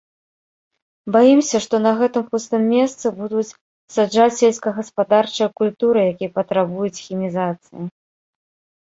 Баімся, што на гэтым пустым месцы будуць саджаць сельскагаспадарчыя культуры, якія патрабуюць хімізацыі.